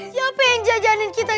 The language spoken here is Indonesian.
siapa yang jajanin kita